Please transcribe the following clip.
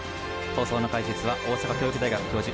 放送の解説は大阪教育大学教授